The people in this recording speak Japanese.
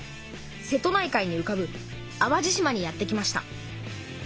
瀬戸内海にうかぶ淡路島にやって来ました。